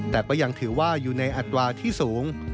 แต่ก็ยังถือว่าอยู่ในอัตราที่สูง